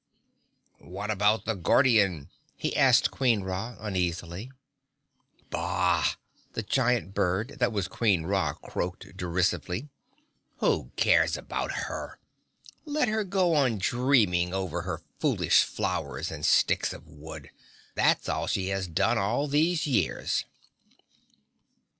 "What about the Guardian?" he asked Queen Ra uneasily. "Bah!" the giant bird that was Queen Ra croaked derisively. "Who cares about her? Let her go on dreaming over her foolish flowers and sticks of wood that's all she has done all these years!"